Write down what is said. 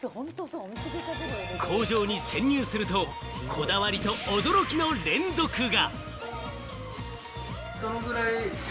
工場に潜入すると、こだわりと驚きの連続が。